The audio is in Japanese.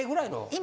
今。